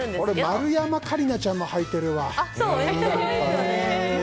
丸山桂里奈ちゃんも履いてるわ。